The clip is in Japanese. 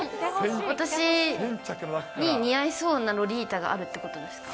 私に似合いそうなロリータがあるってことですか。